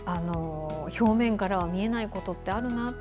表面からは見えないことがあるなと。